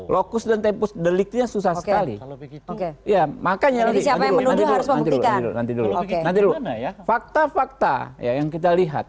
lokus dan tempus deliktirnya susah sekali makanya nanti dulu nanti dulu fakta fakta yang kita lihat